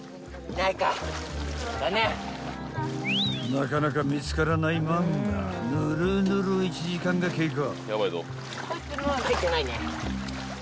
［なかなか見つからないまんまぬるぬる１時間が経過］